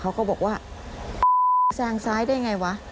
เขาก็บอกว่าแซงซ้ายได้ไงวะ